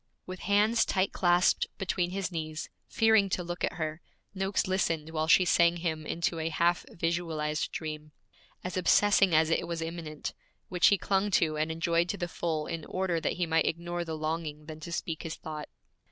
With hands tight clasped between his knees, fearing to look at her, Noakes listened while she sang him into a half visualized dream, as obsessing as it was immanent, which he clung to and enjoyed to the full in order that he might ignore the longing then to speak his thought.